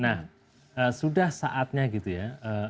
nah sudah saatnya gitu ya